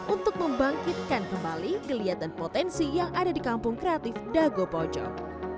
untuk membangkitkan kembali geliat dan potensi yang ada di kampung kreatif dago pojok